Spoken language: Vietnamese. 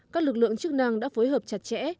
các lực lượng chức năng đã phối hợp chặt chẽ